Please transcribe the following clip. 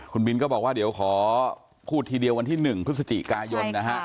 คุณบินก็บอกว่าเดี๋ยวขอพูดทีเดียววันที่๑พฤศจิกายนนะฮะ